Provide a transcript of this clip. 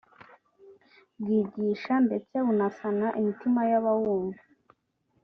bwigisha ndetse bunasana imitima y’abawumva